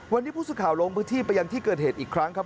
วันนี้ผู้สื่อข่าวลงพื้นที่ไปยังที่เกิดเหตุอีกครั้งครับ